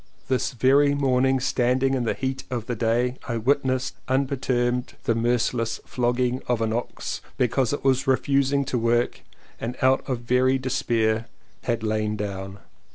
This very morning standing in the heat of the day I witnessed unperturbed the merciless flogging of an ox because it was refusing to work and out of very despair had lain down.